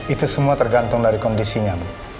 itu semua tergantung dari kondisinya